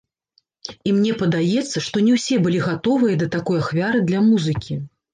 І мне падаецца, што не ўсе былі гатовыя да такой ахвяры для музыкі.